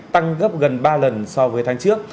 tăng gấp gần ba lần so với tháng trước